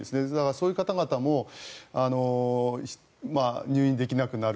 そういう方々も入院できなくなる。